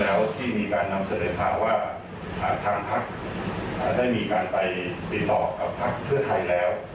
แล้วที่มีการนำเสนอข่าวว่าทางพักได้มีการไปติดต่อกับพักเพื่อไทยแล้ว